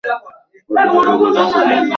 ঘটনা বিবরণ খুব বাজে।